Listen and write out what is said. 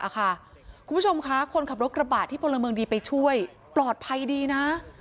คุณผู้ชมคะคนขับรถกระบะที่พลเมืองดีไปช่วยปลอดภัยดีนะ